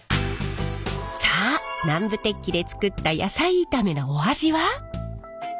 さあ南部鉄器で作った野菜炒めのお味は？